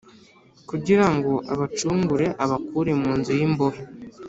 Kugirango abacungure abakure mu nzu y’imbohe